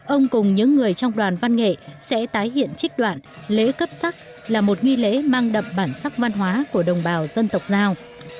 ông cùng những người trong đoàn văn nghệ sẽ tái hiện trích đoạn lễ cấp sắc là một nghi lễ mang đậm bản sắc văn hóa của đồng bào dân tộc giao